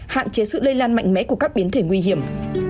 hạn chế sự lây lan mạnh mẽ của các biến thể nguy hiểm